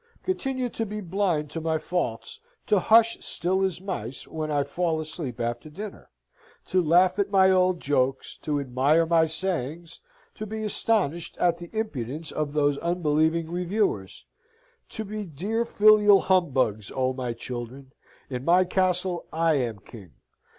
Continue to be blind to my faults; to hush still as mice when I fall asleep after dinner; to laugh at my old jokes; to admire my sayings; to be astonished at the impudence of those unbelieving reviewers; to be dear filial humbugs, O my children! In my castle I am king.